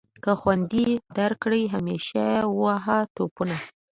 که خوند یې درکړ همیشه وهه ټوپونه.